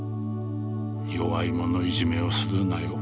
弱い者いじめをするなよ。